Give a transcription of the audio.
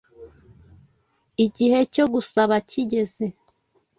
Igihe cyo gusaba kigeze,